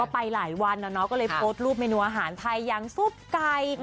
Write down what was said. ไปหลายวันก็เลยโพสต์รูปเมนูอาหารไทยอย่างซุปไก่